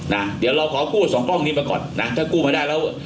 นะเดี๋ยวเราขอกู้สองกล้องนี้มาก่อนนะถ้ากู้มาได้แล้ว